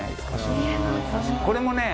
これもね